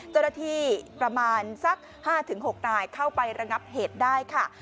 เจ้าหน้าที่ประมาณสัก๕๖นายเข้าไประงับเหตุได้ค่ะ